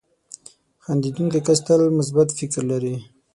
• خندېدونکی کس تل مثبت فکر لري.